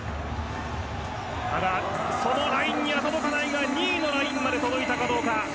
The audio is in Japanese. ただ、そのラインには届かないが２位のラインまで届いたかどうか。